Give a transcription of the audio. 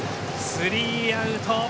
スリーアウト。